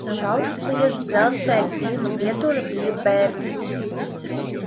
Šaursliežu dzelzceļa pirmā pietura bija Berģi.